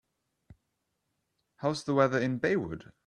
how's the weather in Baywood